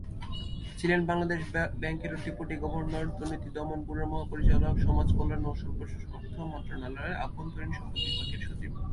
ছিলেন বাংলাদেশ ব্যাংকের deputy governor, দুর্নীতি দমন ব্যুরোর মহাপরিচালক, সমাজ কল্যাণ ও সর্বশেষ অর্থ মন্ত্রণালয়ের আভ্যন্তরীন সম্পদ বিভাগের সচিব।